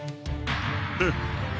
フッ。